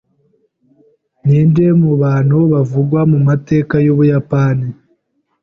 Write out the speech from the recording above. Ninde mu bantu bavugwa mu mateka y’Ubuyapani?